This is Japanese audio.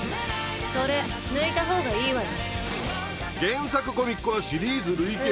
それ抜いた方がいいわよ。